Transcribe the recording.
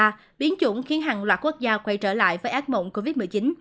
và biến chủng khiến hàng loạt quốc gia quay trở lại với ác mộng covid một mươi chín